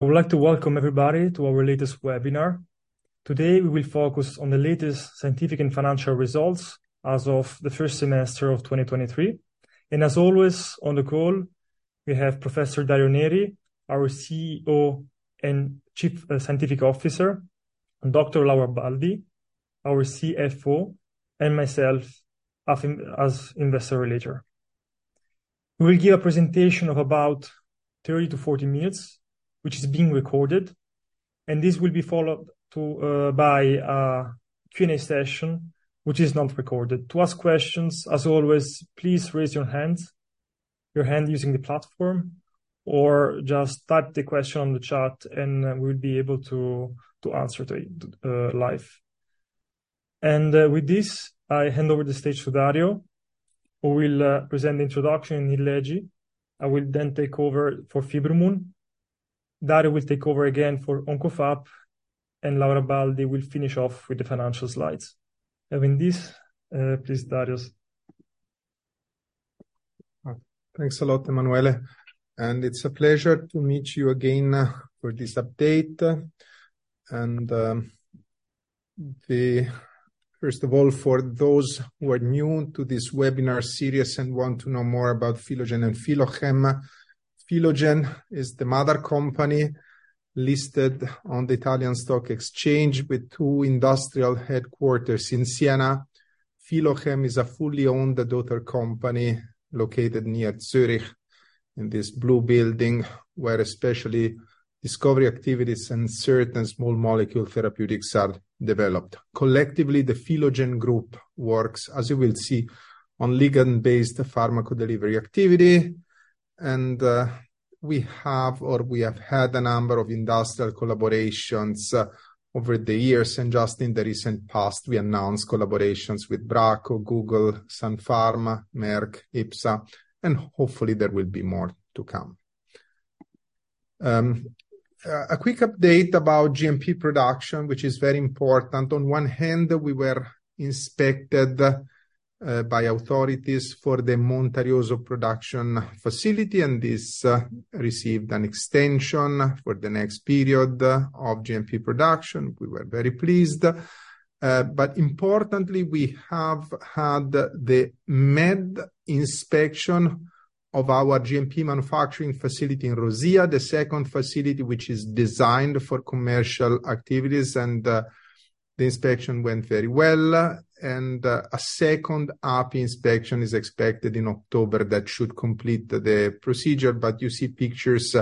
I would like to welcome everybody to our latest webinar. Today, we will focus on the latest scientific and financial results as of the first semester of 2023. As always, on the call, we have Professor Dario Neri, our CEO and Chief Scientific Officer, and Dr. Laura Baldi, our CFO, and myself, as investor relations. We will give a presentation of about 30-40 minutes, which is being recorded, and this will be followed by a Q&A session, which is not recorded. To ask questions, as always, please raise your hand using the platform, or just type the question on the chat and we'll be able to answer live. With this, I hand over the stage to Dario, who will present the introduction in Nidlegy. I will then take over for Fibromun. Dario will take over again for OncoFAP, and Laura Baldi will finish off with the financial slides. Having this, please, Dario. Thanks a lot, Emanuele, and it's a pleasure to meet you again for this update. First of all, for those who are new to this webinar series and want to know more about Philogen and Philochem. Philogen is the mother company listed on the Italian Stock Exchange with two industrial headquarters in Siena. Philochem is a fully owned daughter company located near Zurich, in this blue building, where especially discovery activities and certain small molecule therapeutics are developed. Collectively, the Philogen group works, as you will see, on ligand-based pharmacodelivery activity, and we have or we have had a number of industrial collaborations over the years, and just in the recent past, we announced collaborations with Bracco, Google, Sun Pharma, Merck, IBSA, and hopefully there will be more to come. A quick update about GMP production, which is very important. On one hand, we were inspected by authorities for the Montarioso production facility, and this received an extension for the next period of GMP production. We were very pleased. But importantly, we have had the MED inspection of our GMP manufacturing facility in Rosia, the second facility, which is designed for commercial activities, and the inspection went very well. And a second API inspection is expected in October. That should complete the, the procedure, but you see pictures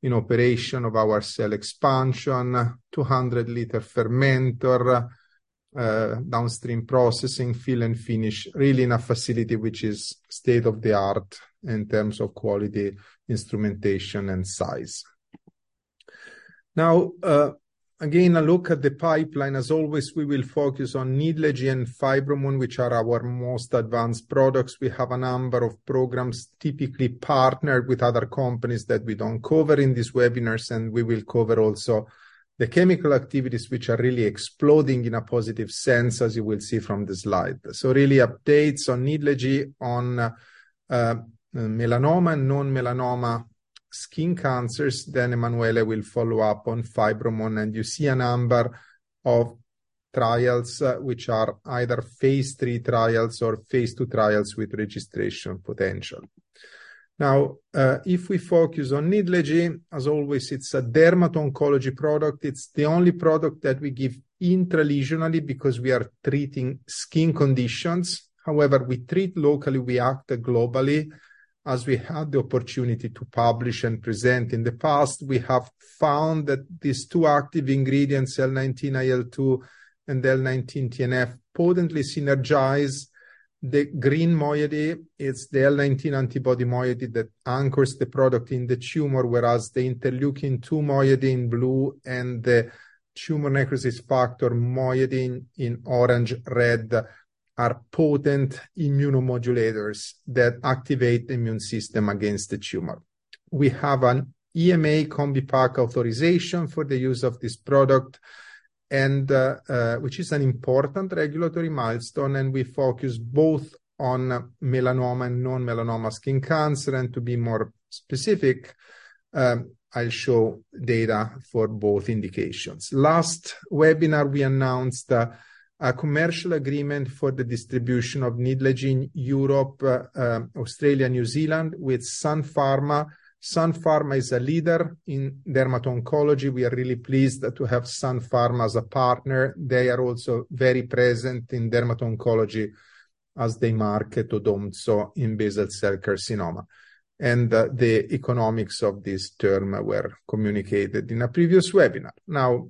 in operation of our cell expansion, 200-liter fermenter, downstream processing, fill and finish, really in a facility which is state-of-the-art in terms of quality, instrumentation, and size. Now, again, a look at the pipeline. As always, we will focus on Nidlegy and Fibromun, which are our most advanced products. We have a number of programs, typically partnered with other companies that we don't cover in these webinars, and we will cover also the chemical activities, which are really exploding in a positive sense, as you will see from the slide. So really updates on Nidlegy on melanoma and non-melanoma skin cancers. Then Emanuele will follow up on Fibromun, and you see a number of trials, which are either phase III trials or phase II trials with registration potential. Now, if we focus on Nidlegy, as always, it's a dermato-oncology product. It's the only product that we give intralesionally because we are treating skin conditions. However, we treat locally, we act globally. As we had the opportunity to publish and present in the past, we have found that these two active ingredients, L19IL2 and L19TNF, potently synergize. The green moiety, it's the L19 antibody moiety that anchors the product in the tumor, whereas the interleukin two moiety in blue and the tumor necrosis factor moiety in orange, red, are potent immunomodulators that activate the immune system against the tumor. We have an EMA CombiPack authorization for the use of this product, and, which is an important regulatory milestone, and we focus both on melanoma and non-melanoma skin cancer, and to be more specific, I'll show data for both indications. Last webinar, we announced, a commercial agreement for the distribution of Nidlegy Europe, Australia, New Zealand, with Sun Pharma. Sun Pharma is a leader in dermato-oncology. We are really pleased to have Sun Pharma as a partner. They are also very present in dermato-oncology as they market Odomzo in basal cell carcinoma, and the economics of this term were communicated in a previous webinar. Now,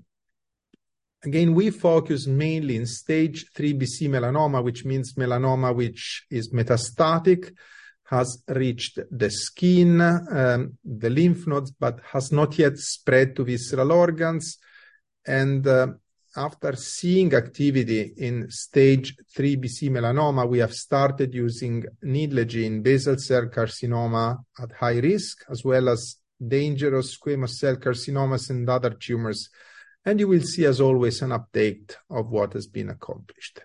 again, we focus mainly in Stage IIIB/C melanoma, which means melanoma, which is metastatic, has reached the skin, the lymph nodes, but has not yet spread to visceral organs. And after seeing activity in Stage IIIB/C melanoma, we have started using Nidlegy in basal cell carcinoma at high risk, as well as dangerous squamous cell carcinomas and other tumors. And you will see, as always, an update of what has been accomplished.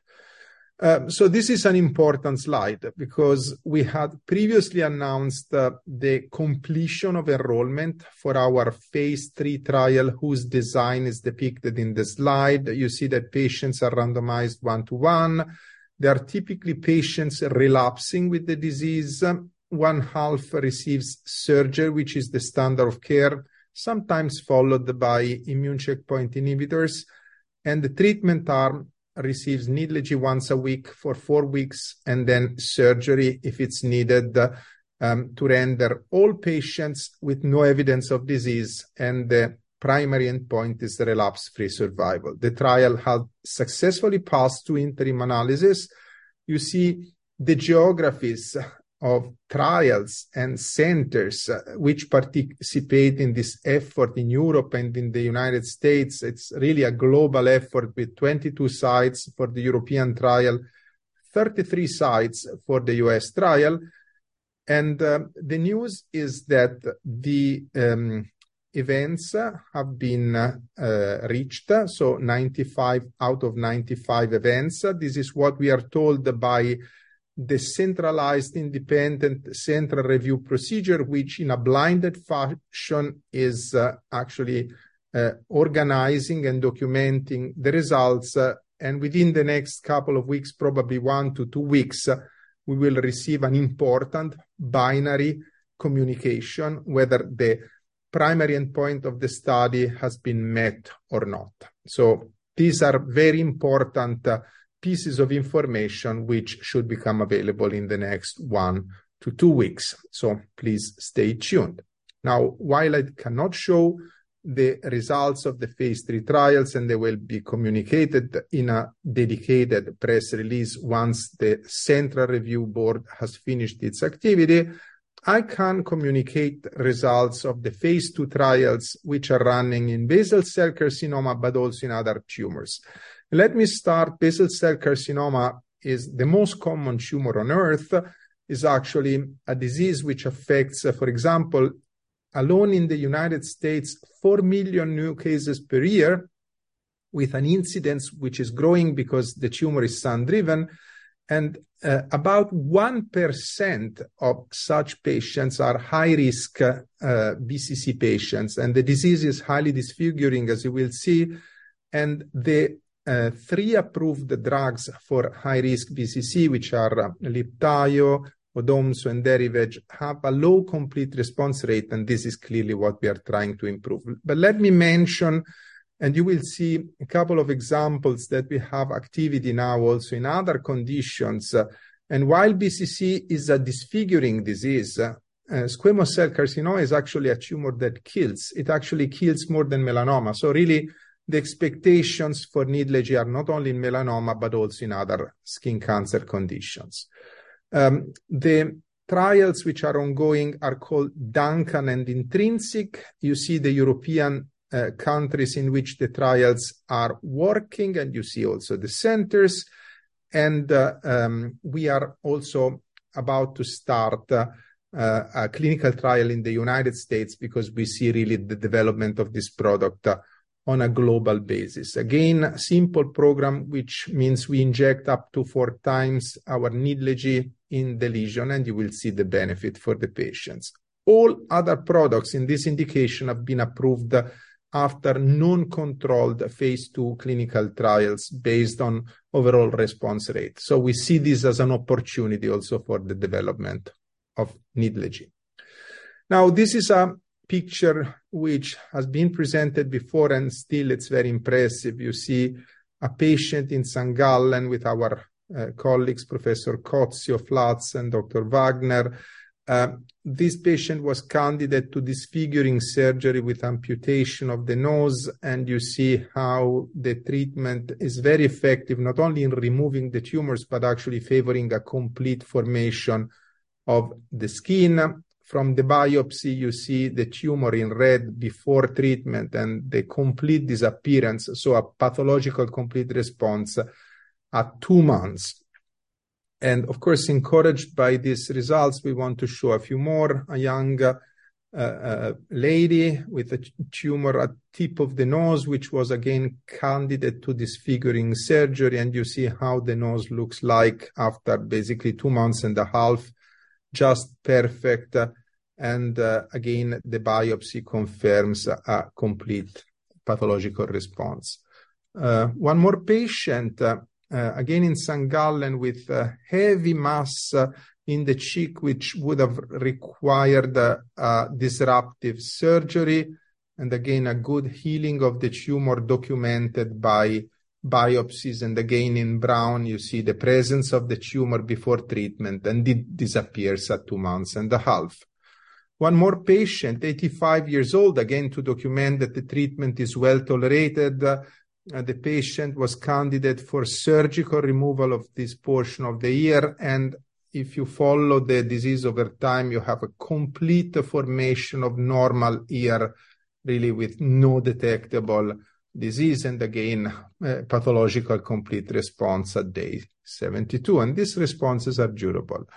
So this is an important slide because we had previously announced the completion of enrollment for our phase III trial, whose design is depicted in the slide. You see that patients are randomized 1:1. They are typically patients relapsing with the disease. One half receives surgery, which is the standard of care, sometimes followed by immune checkpoint inhibitors, and the treatment arm receives Nidlegy once a week for four weeks, and then surgery if it's needed, to render all patients with no evidence of disease, and the primary endpoint is relapse-free survival. The trial had successfully passed two interim analysis. You see the geographies of trials and centers, which participate in this effort in Europe and in the United States. It's really a global effort, with 22 sites for the European trial, 33 sites for the U.S. trial. The news is that the events have been reached, so 95 out of 95 events. This is what we are told by the centralized independent central review procedure, which in a blinded fashion, is actually organizing and documenting the results. And within the next couple of weeks, probably 1-2 weeks, we will receive an important binary communication, whether the primary endpoint of the study has been met or not. So these are very important pieces of information, which should become available in the next 1-2 weeks. So please stay tuned. Now, while I cannot show the results of the phase III trials, and they will be communicated in a dedicated press release once the central review board has finished its activity, I can communicate results of the phase II trials, which are running in basal cell carcinoma, but also in other tumors. Let me start. Basal cell carcinoma is the most common tumor on earth, is actually a disease which affects, for example, alone in the United States, 4 million new cases per year, with an incidence which is growing because the tumor is sun-driven, and about 1% of such patients are high-risk BCC patients. The disease is highly disfiguring, as you will see, and the three approved drugs for high-risk BCC, which are Libtayo, Odomzo, and Erivedge, have a low complete response rate, and this is clearly what we are trying to improve. But let me mention, and you will see a couple of examples, that we have activity now also in other conditions. While BCC is a disfiguring disease, squamous cell carcinoma is actually a tumor that kills. It actually kills more than melanoma. So really, the expectations for Nidlegy are not only in melanoma, but also in other skin cancer conditions. The trials which are ongoing are called DANCAN and INTRINSIC. You see the European countries in which the trials are working, and you see also the centers. We are also about to start a clinical trial in the United States because we see really the development of this product on a global basis. Again, simple program, which means we inject up to four times our Nidlegy in the lesion, and you will see the benefit for the patients. All other products in this indication have been approved after non-controlled phase II clinical trials based on overall response rate. So we see this as an opportunity also for the development of Nidlegy. Now, this is a picture which has been presented before, and still it's very impressive. You see a patient in St. Gallen with our colleagues, Professor Cozzio, Flatz, and Dr. Wagner. This patient was candidate to disfiguring surgery with amputation of the nose, and you see how the treatment is very effective, not only in removing the tumors, but actually favoring a complete formation of the skin. From the biopsy, you see the tumor in red before treatment and the complete disappearance, so a pathological complete response at two months. And of course, encouraged by these results, we want to show a few more. A young lady with a tumor at tip of the nose, which was again, candidate to disfiguring surgery, and you see how the nose looks like after basically two months and a half, just perfect. Again, the biopsy confirms a complete pathological response. One more patient, again, in St. Gallen, with a heavy mass in the cheek, which would have required disruptive surgery, and again, a good healing of the tumor, documented by biopsies. And again, in brown, you see the presence of the tumor before treatment, and it disappears at two months and a half. One more patient, 85 years old, again, to document that the treatment is well tolerated. The patient was candidate for surgical removal of this portion of the ear, and if you follow the disease over time, you have a complete formation of normal ear, really, with no detectable disease, and again, pathological complete response at day 72, and these responses are durable.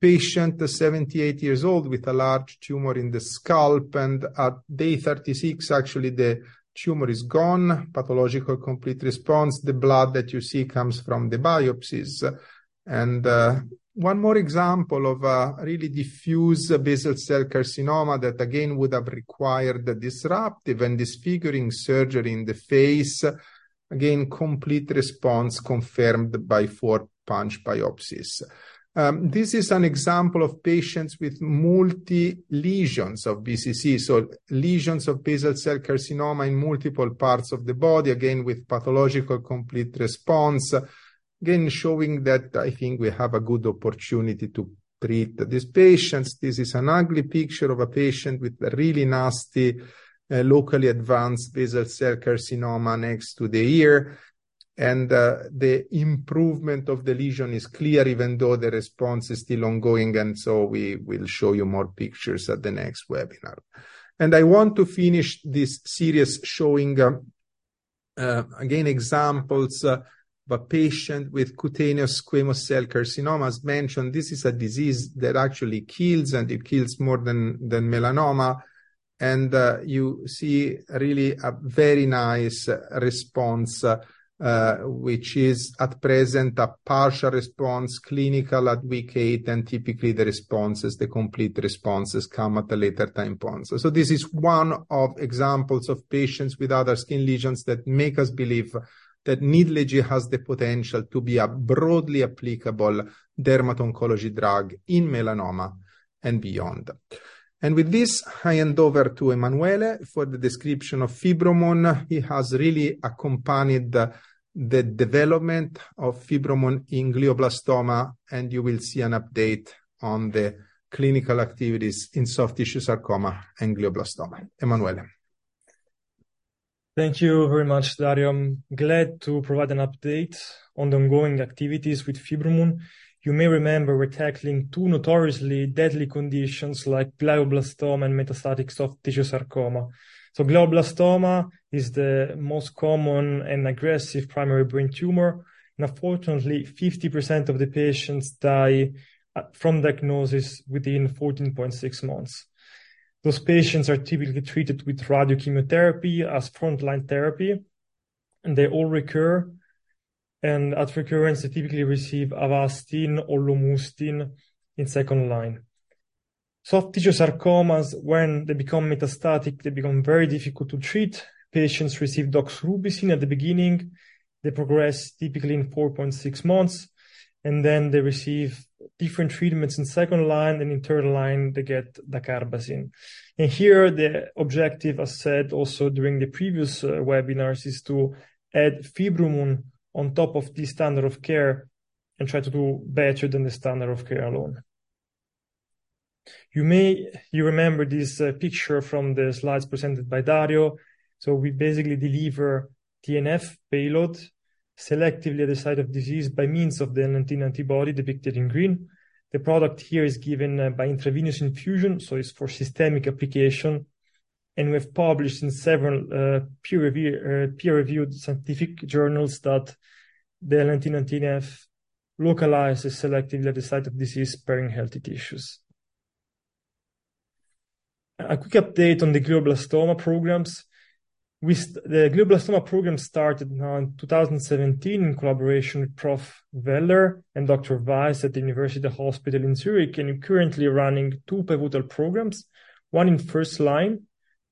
Patient, 78 years old, with a large tumor in the scalp, and at day 36, actually, the tumor is gone. Pathological complete response. The blood that you see comes from the biopsies. One more example of a really diffuse basal cell carcinoma that, again, would have required the disruptive and disfiguring surgery in the face. Again, complete response confirmed by four punch biopsies. This is an example of patients with multiple lesions of BCC, so lesions of basal cell carcinoma in multiple parts of the body, again, with pathological complete response. Again, showing that I think we have a good opportunity to treat these patients. This is an ugly picture of a patient with a really nasty, locally advanced basal cell carcinoma next to the ear, and the improvement of the lesion is clear, even though the response is still ongoing, and so we will show you more pictures at the next webinar. I want to finish this series showing again examples of a patient with cutaneous squamous cell carcinoma. As mentioned, this is a disease that actually kills, and it kills more than melanoma. You see really a very nice response, which is, at present, a partial response, clinical at week eight, and typically the responses, the complete responses come at a later time point. So this is one of examples of patients with other skin lesions that make us believe that Nidlegy has the potential to be a broadly applicable dermato-oncology drug in melanoma and beyond. And with this, I hand over to Emanuele for the description of Fibromun. He has really accompanied the development of Fibromun in glioblastoma, and you will see an update on the clinical activities in soft tissue sarcoma and glioblastoma. Emanuele? Thank you very much, Dario. I'm glad to provide an update on the ongoing activities with Fibromun. You may remember, we're tackling two notoriously deadly conditions like glioblastoma and metastatic soft tissue sarcoma. Glioblastoma is the most common and aggressive primary brain tumor, and unfortunately, 50% of the patients die from diagnosis within 14.6 months. Those patients are typically treated with radiochemotherapy as frontline therapy, and they all recur, and at recurrence, they typically receive Avastin or Lomustine in second line. Soft tissue sarcomas, when they become metastatic, they become very difficult to treat. Patients receive doxorubicin at the beginning. They progress typically in 4.6 months, and then they receive different treatments in second line, and in third line, they get dacarbazine. Here, the objective, as said also during the previous webinars, is to add Fibromun on top of the standard of care and try to do better than the standard of care alone. You may. You remember this picture from the slides presented by Dario. So we basically deliver TNF payload selectively at the site of disease by means of the nineteen antibody depicted in green. The product here is given by intravenous infusion, so it's for systemic application, and we've published in several peer-reviewed scientific journals that the L19TNF localizes selectively at the site of disease, sparing healthy tissues. A quick update on the glioblastoma programs. With the glioblastoma program started now in 2017 in collaboration with Prof. Weller and Dr. Weiss at the University Hospital Zurich, and currently running two pivotal programs, one in first line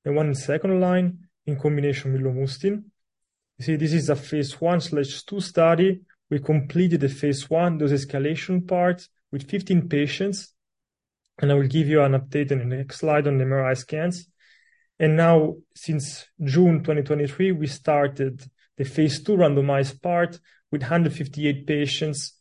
and one in second line, in combination with Lomustine. You see, this is a phase I/II study. We completed the phase I, those escalation parts, with 15 patients, and I will give you an update in the next slide on the MRI scans. Now, since June 2023, we started the phase II randomized part with 158 patients,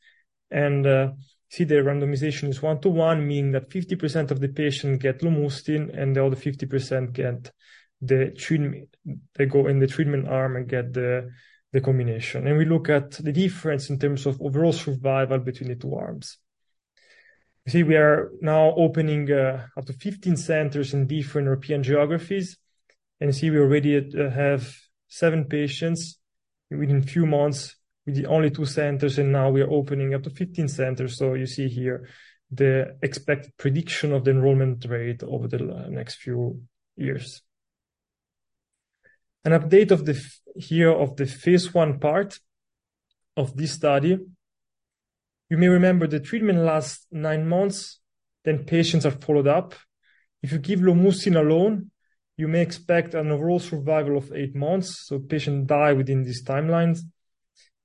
and see, the randomization is one to one, meaning that 50% of the patients get Lomustine, and the other 50% get the treatment. They go in the treatment arm and get the, the combination. And we look at the difference in terms of overall survival between the two arms. You see, we are now opening up to 15 centers in different European geographies, and you see we already have 7 patients within few months with the only two centers, and now we are opening up to 15 centers. So you see here the expected prediction of the enrollment rate over the next few years. An update here of the phase I part of this study. You may remember the treatment lasts nine months, then patients are followed up. If you give Lomustine alone, you may expect an overall survival of eight months, so patient die within these timelines.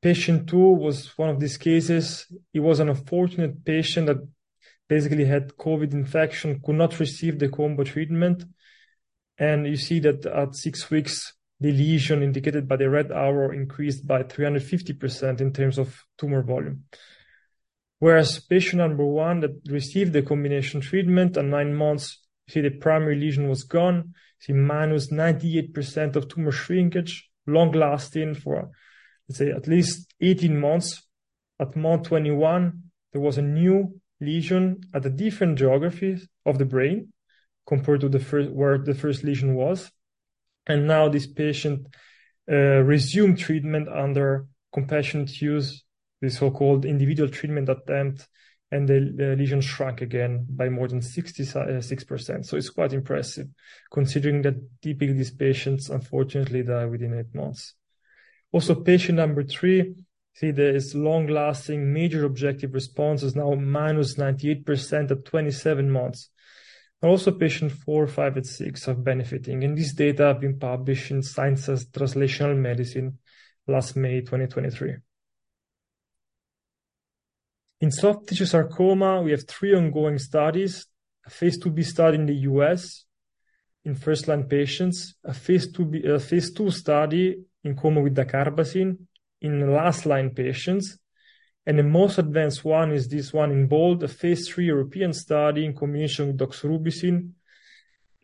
Patient two was one of these cases. It was an unfortunate patient that basically had COVID infection, could not receive the combo treatment, and you see that at six weeks, the lesion indicated by the red arrow increased by 350% in terms of tumor volume. Whereas patient number one that received the combination treatment, at nine months, you see the primary lesion was gone. See -98% of tumor shrinkage, long lasting for, let's say, at least 18 months. At month 21, there was a new lesion at a different geography of the brain compared to the first, where the first lesion was. And now this patient resumed treatment under compassionate use, the so-called individual treatment attempt, and the lesion shrunk again by more than 60%. So it's quite impressive, considering that typically these patients unfortunately die within eight months. Also, patient number three, see there is long-lasting major objective response, is now -98% at 27 months. Also, patient four, five, and six are benefiting, and this data have been published in Science Translational Medicine last May 2023. In soft tissue sarcoma, we have three ongoing studies: a phase II-B study in the U.S. in first-line patients, a phase II-B, phase II study in combo with dacarbazine in last line patients, and the most advanced one is this one in bold, a phase III European study in combination with doxorubicin.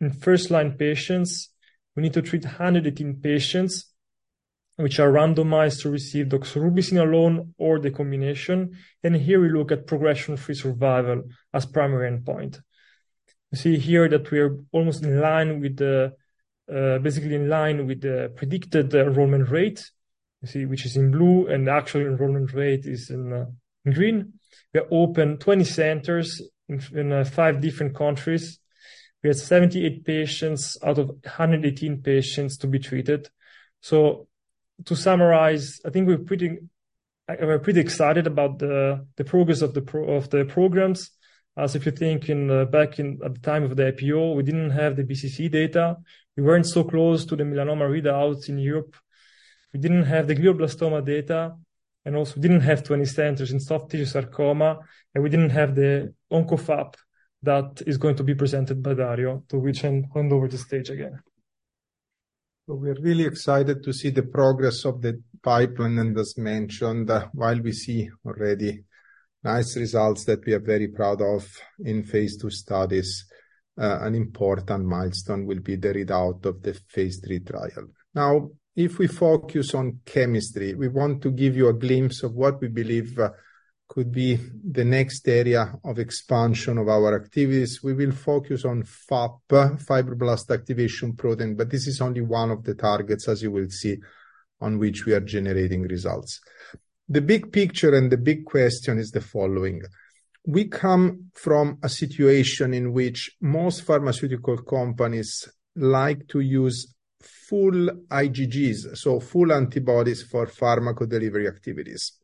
In first-line patients, we need to treat 118 patients, which are randomized to receive doxorubicin alone or the combination. Then here we look at progression-free survival as primary endpoint. You see here that we are almost in line with the, basically in line with the predicted enrollment rate, you see, which is in blue, and the actual enrollment rate is in green. We opened 20 centers in, in, five different countries. We have 78 patients out of 118 patients to be treated. So to summarize, I think we're pretty. We're pretty excited about the, the progress of the programs. As if you think in, back in, at the time of the IPO, we didn't have the BCC data. We weren't so close to the melanoma readouts in Europe. We didn't have the glioblastoma data, and also we didn't have 20 centers in soft tissue sarcoma, and we didn't have the OncoFAP that is going to be presented by Dario, to which I hand over the stage again. So we're really excited to see the progress of the pipeline, and as mentioned, while we see already nice results that we are very proud of in phase II studies, an important milestone will be the readout of the phase III trial. Now, if we focus on chemistry, we want to give you a glimpse of what we believe, could be the next area of expansion of our activities. We will focus on FAP, Fibroblast Activation Protein, but this is only one of the targets, as you will see, on which we are generating results. The big picture and the big question is the following: We come from a situation in which most pharmaceutical companies like to use full IgGs, so full antibodies for pharmacodelivery activities.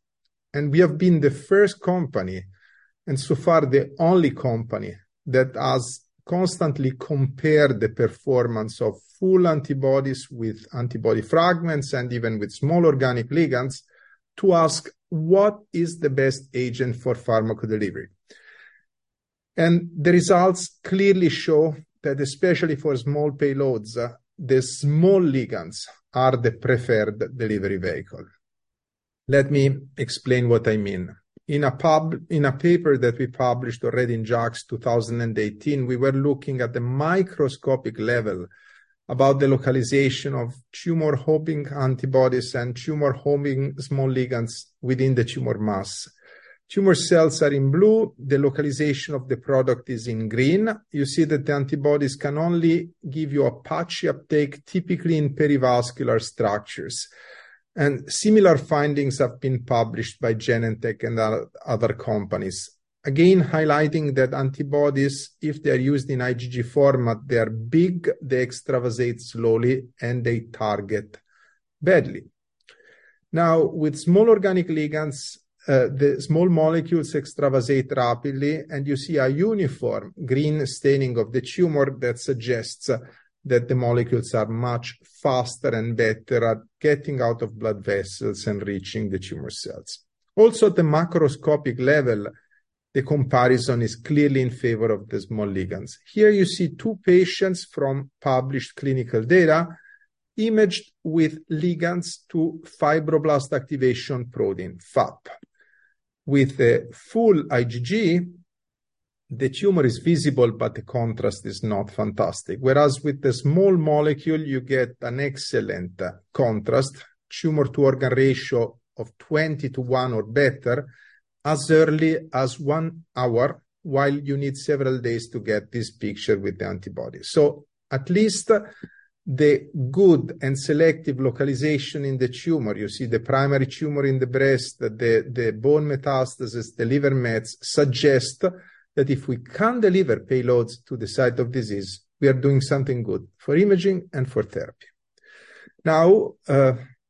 We have been the first company, and so far, the only company, that has constantly compared the performance of full antibodies with antibody fragments and even with small organic ligands, to ask, "What is the best agent for pharmacodelivery?" The results clearly show that especially for small payloads, the small ligands are the preferred delivery vehicle. Let me explain what I mean. In a paper that we published already in JACS 2018, we were looking at the microscopic level about the localization of tumor-homing antibodies and tumor-homing small ligands within the tumor mass. Tumor cells are in blue; the localization of the product is in green. You see that the antibodies can only give you a patchy uptake, typically in perivascular structures, and similar findings have been published by Genentech and other companies. Again, highlighting that antibodies, if they are used in IgG format, they are big, they extravasate slowly, and they target badly. Now, with small organic ligands, the small molecules extravasate rapidly, and you see a uniform green staining of the tumor that suggests that the molecules are much faster and better at getting out of blood vessels and reaching the tumor cells. Also, at the macroscopic level, the comparison is clearly in favor of the small ligands. Here you see two patients from published clinical data, imaged with ligands to Fibroblast Activation Protein, FAP. With a full IgG, the tumor is visible, but the contrast is not fantastic, whereas with the small molecule, you get an excellent, contrast, tumor-to-organ ratio of 20 to 1 or better, as early as one hour, while you need several days to get this picture with the antibody. So at least the good and selective localization in the tumor, you see the primary tumor in the breast, the bone metastasis, the liver mets, suggest that if we can deliver payloads to the site of disease, we are doing something good for imaging and for therapy. Now,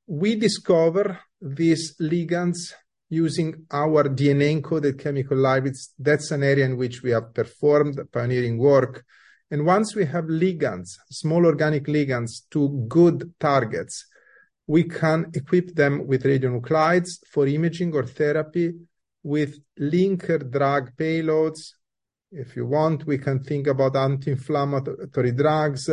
we discover these ligands using our DNA-encoded chemical libraries. That's an area in which we have performed pioneering work. And once we have ligands, small organic ligands, two good targets, we can equip them with radionuclides for imaging or therapy with linker drug payloads. If you want, we can think about anti-inflammatory drugs,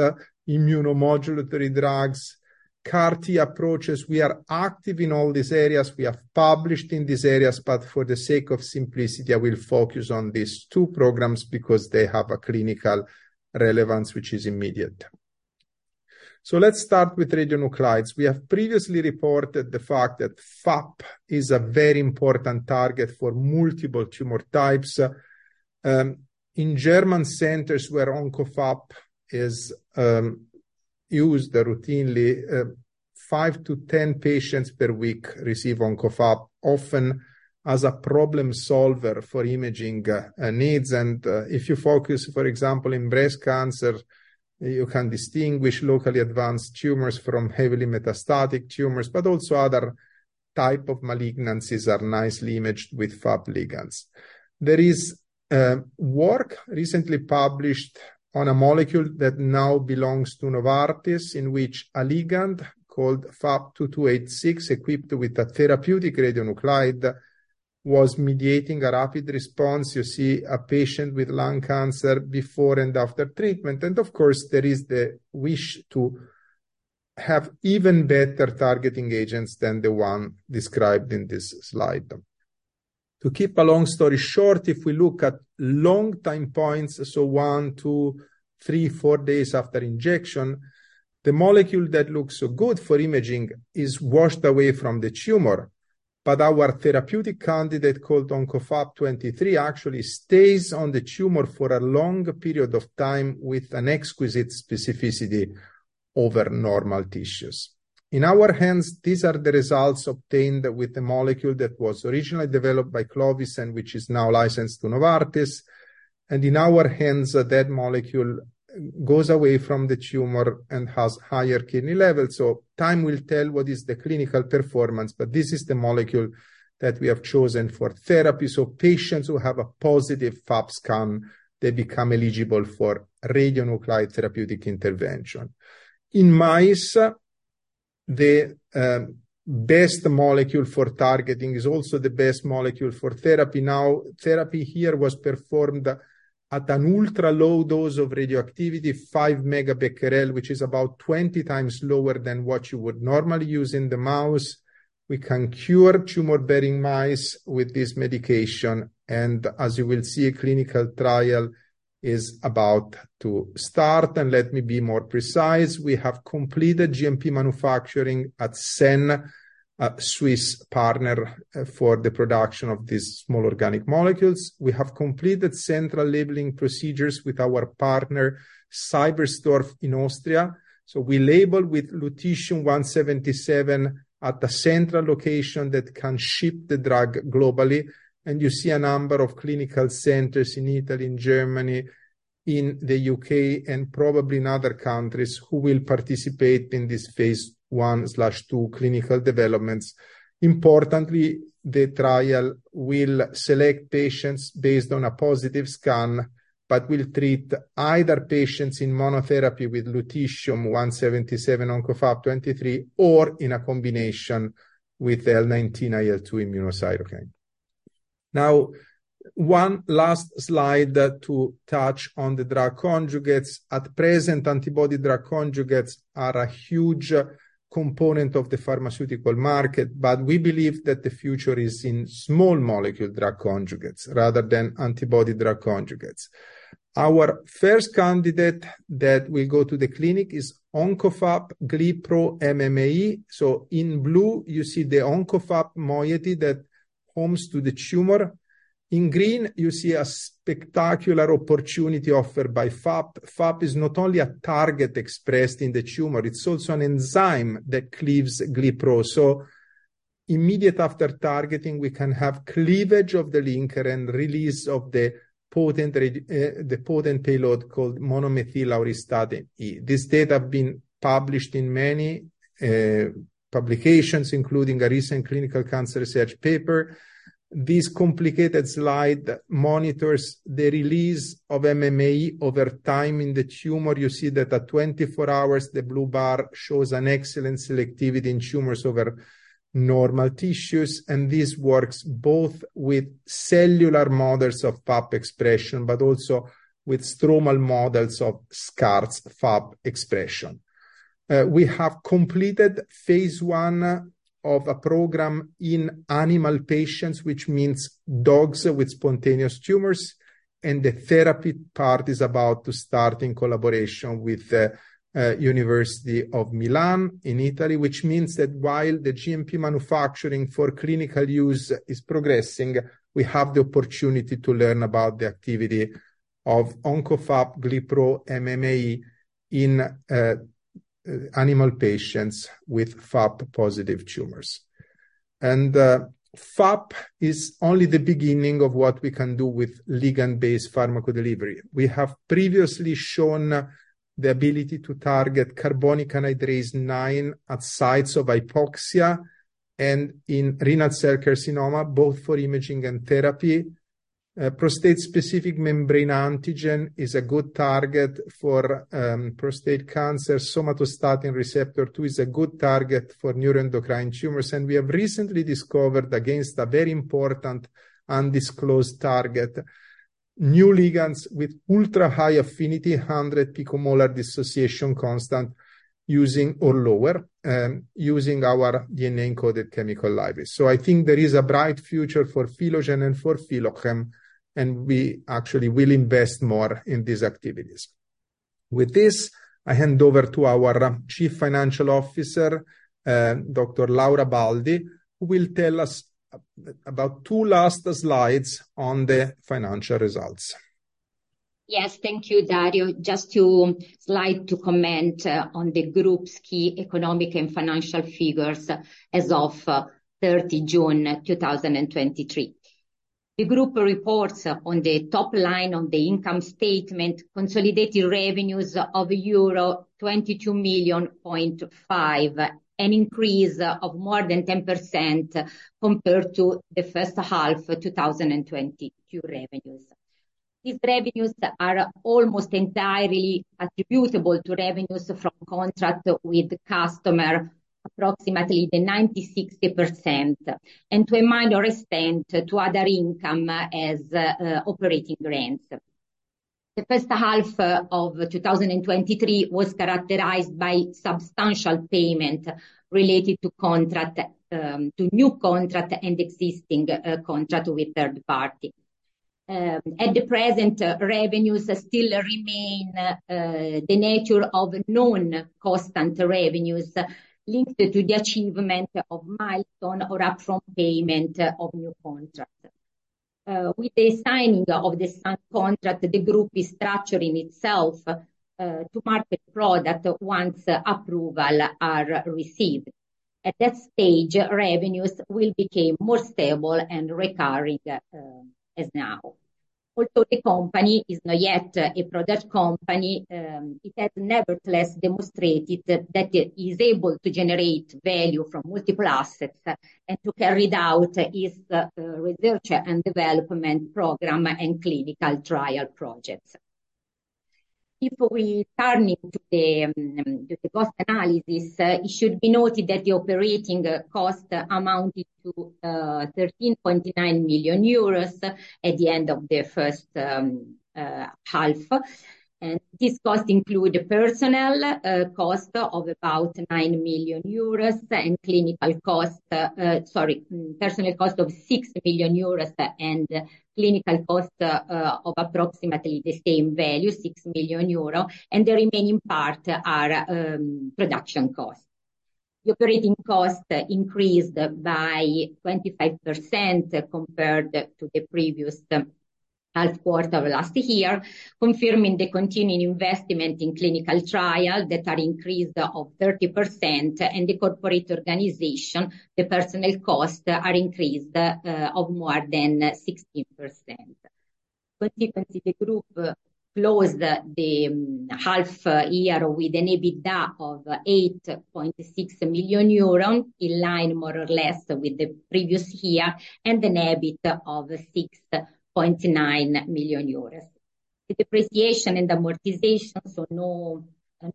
immunomodulatory drugs, CAR-T approaches. We are active in all these areas. We have published in these areas, but for the sake of simplicity, I will focus on these two programs because they have a clinical relevance, which is immediate. So let's start with radionuclides. We have previously reported the fact that FAP is a very important target for multiple tumor types. In German centers where OncoFAP is used routinely, 5-10 patients per week receive OncoFAP, often as a problem solver for imaging needs. And if you focus, for example, in breast cancer, you can distinguish locally advanced tumors from heavily metastatic tumors, but also other type of malignancies are nicely imaged with FAP ligands. There is work recently published on a molecule that now belongs to Novartis, in which a ligand called FAP-2286, equipped with a therapeutic radionuclide, was mediating a rapid response. You see a patient with lung cancer before and after treatment, and of course, there is the wish to have even better targeting agents than the one described in this slide. To keep a long story short, if we look at long time points, so one, two, three, four days after injection, the molecule that looks so good for imaging is washed away from the tumor. But our therapeutic candidate, called OncoFAP-23, actually stays on the tumor for a longer period of time with an exquisite specificity over normal tissues. In our hands, these are the results obtained with the molecule that was originally developed by Clovis and which is now licensed to Novartis. And in our hands, that molecule goes away from the tumor and has higher kidney levels, so time will tell what is the clinical performance, but this is the molecule that we have chosen for therapy. So patients who have a positive FAP scan, they become eligible for radionuclide therapeutic intervention. In mice, the best molecule for targeting is also the best molecule for therapy. Now, therapy here was performed at an ultra-low dose of radioactivity, 5 megabecquerel, which is about 20 times lower than what you would normally use in the mouse. We can cure tumor-bearing mice with this medication, and as you will see, a clinical trial is about to start. Let me be more precise. We have completed GMP manufacturing at Senn, a Swiss partner, for the production of these small organic molecules. We have completed central labeling procedures with our partner, Seibersdorf, in Austria. So we label with lutetium-177 at the central location that can ship the drug globally. You see a number of clinical centers in Italy, in Germany, in the U.K., and probably in other countries, who will participate in this phase I/II clinical developments. Importantly, the trial will select patients based on a positive scan, but will treat either patients in monotherapy with lutetium-177 OncoFAP-23, or in a combination with L19IL2 immunocytokine. Now, one last slide to touch on the drug conjugates. At present, antibody drug conjugates are a huge component of the pharmaceutical market, but we believe that the future is in small molecule drug conjugates rather than antibody drug conjugates. Our first candidate that will go to the clinic is OncoFAP-GlyPro-MMAE. So in blue, you see the OncoFAP moiety that homes to the tumor. In green, you see a spectacular opportunity offered by FAP. FAP is not only a target expressed in the tumor, it's also an enzyme that cleaves GlyPro. So immediate after targeting, we can have cleavage of the linker and release of the potent payload called monomethyl auristatin E. This data have been published in many publications, including a recent Clinical Cancer Research paper. This complicated slide monitors the release of MMAE over time in the tumor. You see that at 24 hours, the blue bar shows an excellent selectivity in tumors over normal tissues, and this works both with cellular models of FAP expression, but also with stromal models of scarce FAP expression. We have completed phase II of a program in animal patients, which means dogs with spontaneous tumors, and the therapy part is about to start in collaboration with the University of Milan in Italy. Which means that while the GMP manufacturing for clinical use is progressing, we have the opportunity to learn about the activity of OncoFAP-GlyPro-MMAE in animal patients with FAP-positive tumors. And, FAP is only the beginning of what we can do with ligand-based pharmacodelivery. We have previously shown the ability to target carbonic anhydrase nine at sites of hypoxia and in renal cell carcinoma, both for imaging and therapy. Prostate-specific membrane antigen is a good target for prostate cancer. Somatostatin receptor two is a good target for neuroendocrine tumors, and we have recently discovered, against a very important undisclosed target, new ligands with ultra-high affinity, 100 picomolar dissociation constant or lower, using our DNA-encoded chemical library. So I think there is a bright future for Philogen and for Philochem, and we actually will invest more in these activities. With this, I hand over to our Chief Financial Officer, Dr. Laura Baldi, who will tell us about two last slides on the financial results. Yes, thank you, Dario. Just two slides to comment on the group's key economic and financial figures as of 30 June 2023. The group reports on the top line of the income statement, consolidated revenues of euro 22.5 million, an increase of more than 10% compared to the first half of 2022 revenues. These revenues are almost entirely attributable to revenues from contract with customer, approximately 96%, and to a minor extent, to other income as operating grants. The first half of 2023 was characterized by substantial payment related to contract, to new contract and existing contract with third party. At the present, revenues still remain the nature of known constant revenues linked to the achievement of milestone or upfront payment of new contract. With the signing of this contract, the group is structuring itself to market product once approval are received. At that stage, revenues will become more stable and recurring, as now. Although the company is not yet a product company, it has nevertheless demonstrated that it is able to generate value from multiple assets, and to carry out its research and development program and clinical trial projects. Before we turn into the cost analysis, it should be noted that the operating cost amounted to 13.9 million euros at the end of the first half. This cost include a personnel cost of about 9 million euros and clinical cost, sorry, personnel cost of 6 million euros and clinical cost of approximately the same value, 6 million euros, and the remaining part are production cost. The operating costs increased by 25% compared to the previous half quarter of last year, confirming the continuing investment in clinical trial that are increased of 30% and the corporate organization, the personnel costs are increased of more than 16%. But you can see the group closed the half year with an EBITDA of 8.6 million euro, in line more or less with the previous year, and an EBIT of 6.9 million euro. The depreciation and amortization, so no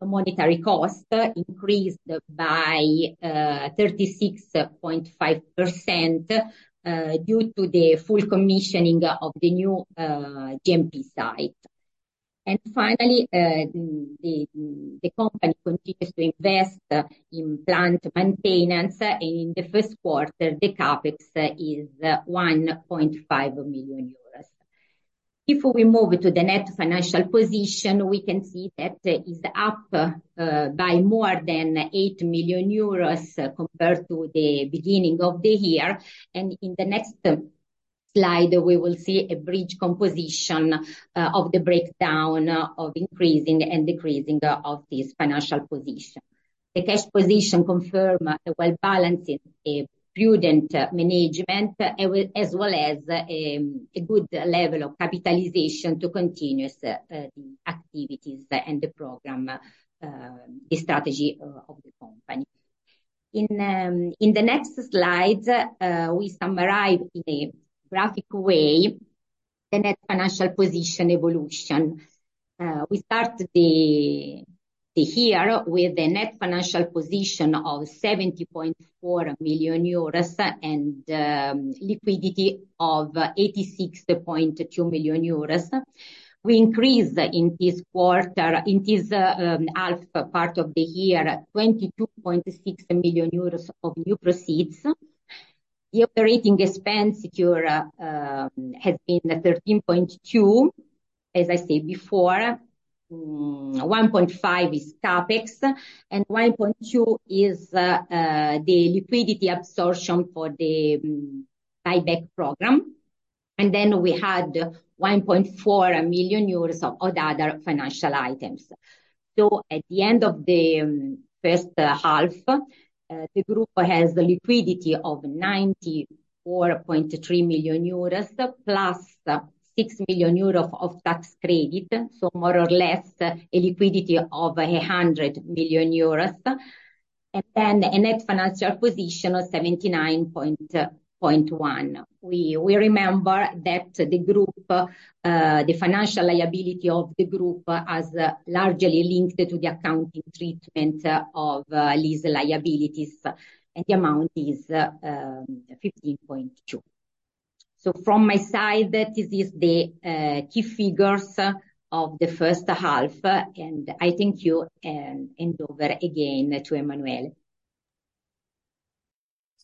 monetary cost, increased by 36.5% due to the full commissioning of the new GMP site. Finally, the company continues to invest in plant maintenance. In the first quarter, the CapEx is 1.5 million euros. If we move to the net financial position, we can see that it is up by more than 8 million euros compared to the beginning of the year. And in the next slide, we will see a bridge composition of the breakdown of increasing and decreasing of this financial position. The cash position confirm, while balancing a prudent management, as well as, a good level of capitalization to continue the activities and the program, the strategy of the company. In the next slide, we summarize in a graphic way the net financial position evolution. We start the year with a net financial position of 70.4 million euros and liquidity of 86.2 million euros. We increased in this quarter, in this half part of the year, 22.6 million euros of new proceeds. The operating expenses incurred has been 13.2 million, as I said before. 1.5 million is CapEx, and 1.2 million is the liquidity absorption for the buyback program. And then we had 1.4 million euros of other financial items. So at the end of the first half, the group has the liquidity of 94.3 million euros, plus 6 million euros of tax credit, so more or less a liquidity of 100 million euros, and then a net financial position of 79.1. We remember that the group, the financial liability of the group is largely linked to the accounting treatment of lease liabilities, and the amount is 15.2 million. So from my side, that is the key figures of the first half, and I thank you, and hand over again to Emanuele.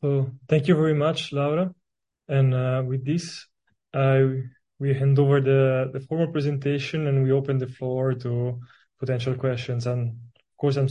Thank you very much, Laura. With this, we hand over the formal presentation, and we open the floor to potential questions and comments.